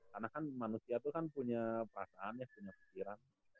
karena kan manusia tuh kan punya perasaannya segera